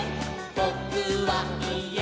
「ぼ・く・は・い・え！